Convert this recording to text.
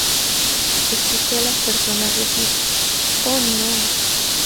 Escuche a las personas decir, 'Oh, no.